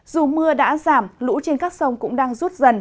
dù mưa đã giảm lũ trên các sông cũng đang rút dần